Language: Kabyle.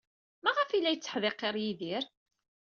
Maɣef ay la yetteḥdiqir Yidir?